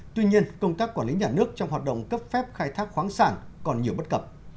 tuy nhiên công tác quản lý nhà nước trong hoạt động cấp phép khai thác khoáng sản còn nhiều bất cập